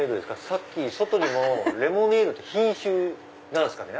さっき外にもレモネードって品種なんすかね？